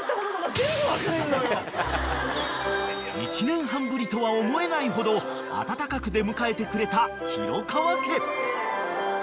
［１年半ぶりとは思えないほど温かく出迎えてくれた廣川家］